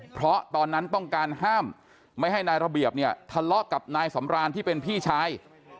เพราะตอนนั้นต้องการห้ามไม่ให้นายระเบียบเนี่ยทะเลาะกับนายสำรานที่เป็นพี่ชาย